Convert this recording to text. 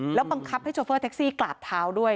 แล้วบังคับให้โชเฟอร์แท็กซี่กราบเท้าด้วย